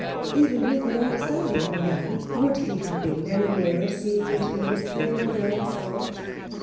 Even with the understanding of a man, would he have been any nearer seeing into the mystery of a girl's heart?